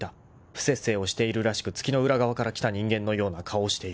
［不摂生をしているらしく月の裏側から来た人間のような顔をしている］